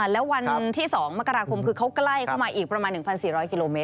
แล้ววันที่๒มกราคมคือเขาใกล้เข้ามาอีกประมาณ๑๔๐๐กิโลเมต